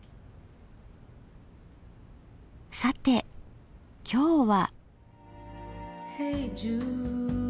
さて今日は？